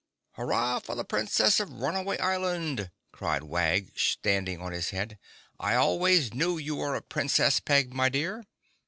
"Hurrah for the Princess of Runaway Island!" cried Wag, standing on his head. "I always knew you were a Princess, Peg my dear."